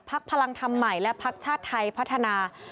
พลังธรรมใหม่และพักชาติไทยพัฒนา